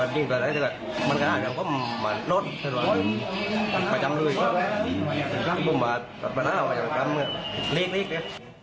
มันกระหน่าอย่างก็มาลดมาจำเลยต้มมาตัดประณามาจำเลยลีกเลย